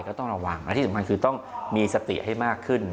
ก็ต้องระวังและที่สำคัญคือต้องมีสติให้มากขึ้น